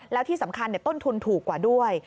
แล้วที่สำคัญต้นทุนถูกกว่าด้วย